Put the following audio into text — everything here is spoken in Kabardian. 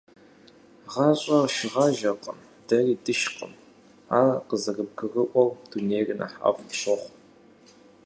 Гъащӏэр шыгъажэкъым, дэри дышкъым. Ар къызэрыбгурыӏуэу, дунейр нэхъ ӏэфӏ пщохъу.